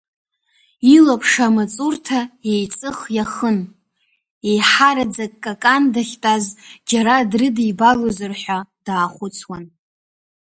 Илаԥш амаҵурҭа еиҵых иахын, еиҳараӡак Какан дахьтәаз џьара дрыдибалозар ҳәа, даахәыцуан.